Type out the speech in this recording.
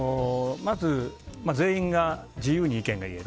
まず全員が自由に意見が言える。